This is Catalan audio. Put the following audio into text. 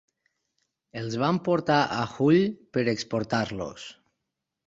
Els van portar a Hull per exportar-los.